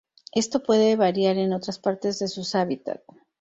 Esto puede variar en otras partes de sus hábitat".